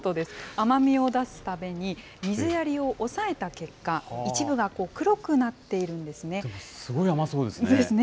甘みを出すために、水やりを抑えた結果、一部が黒くなっているんですね。ですね。